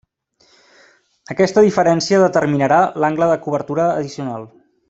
Aquesta diferència determinarà l'angle de cobertura addicional.